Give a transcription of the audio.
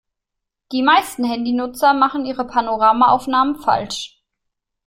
Die meisten Handynutzer machen ihre Panoramaaufnahmen falsch.